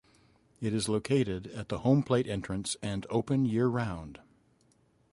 It is located at the home-plate entrance and open year-round.